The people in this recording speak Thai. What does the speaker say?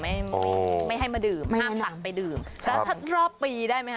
ไม่ไม่ให้มาดื่มห้ามสั่งไปดื่มใช่แล้วถ้ารอบปีได้ไหมคะ